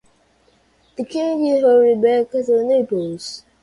The king hurried back to Naples.